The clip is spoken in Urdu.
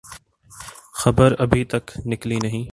خبر ابھی تک نکلی نہیں۔